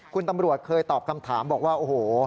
คุณตำรวจเคยตอบคำถามบอกว่าโอ้โห